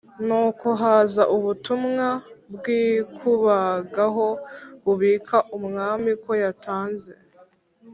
Nuko haza ubutumwa bw’ikubagahu bubika umwami ko yatanze